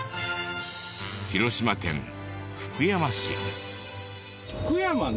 広島県福山市。